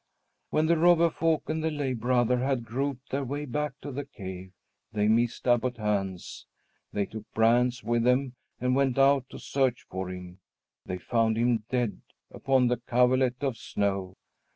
When the robber folk and the lay brother had groped their way back to the cave, they missed Abbot Hans. They took brands with them and went out to search for him. They found him dead upon the coverlet of snow.